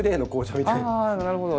なるほど。